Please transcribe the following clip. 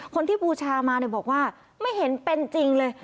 คนที่บูชามาเรียกว่าไม่เห็นเป็นจริงเลย